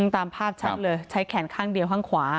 ตามภาพชัดเลยใช้แขนข้างเดียวข้างขวา